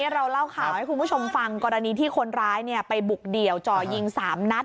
เราเล่าข่าวให้คุณผู้ชมฟังกรณีที่คนร้ายไปบุกเดี่ยวจ่อยิง๓นัด